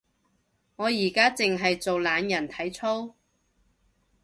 我而家淨係做懶人體操